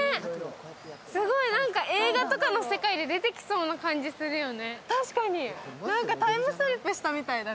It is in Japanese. すごい映画とかの世界で出てきそうな感じするよね。